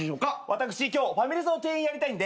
私今日ファミレスの店員やりたいんで。